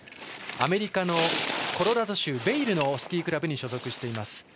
アメリカのコロラド州のベイルのスキークラブに所属しています。